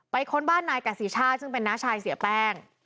ค้นบ้านนายกษิชาติซึ่งเป็นน้าชายเสียแป้ง